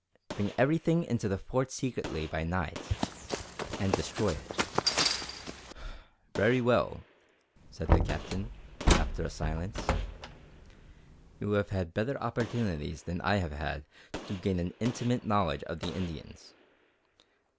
"Bring everything into the Fort secretly, by night, and destroy it." "Very well," said the Captain, after a silence; "you have had better opportunities than I have had to gain an intimate knowledge of the Indians.